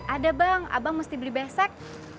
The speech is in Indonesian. ada bang abang mesti beli besek